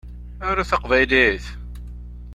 Arut taqbaylit!